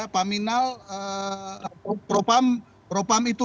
paminal propam itu